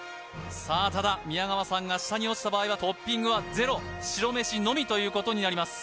さあただ宮川さんが下に落ちた場合はトッピングはゼロ白メシのみということになります